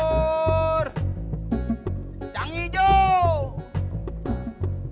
buur tang hijau